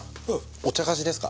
お茶菓子ですか？